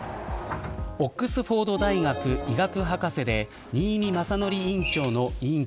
オックスフォード大学医学博士で新見正則医院の院長